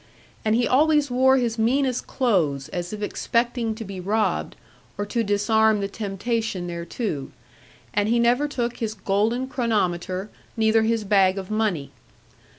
And he always wore his meanest clothes as if expecting to be robbed, or to disarm the temptation thereto; and he never took his golden chronometer neither his bag of money.